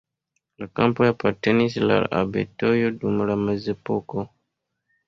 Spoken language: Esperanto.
La kampoj apartenis al abatejo dum la mezepoko.